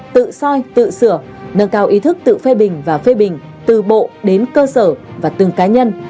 tự soi tự sửa nâng cao ý thức tự phê bình và phê bình từ bộ đến cơ sở và từng cá nhân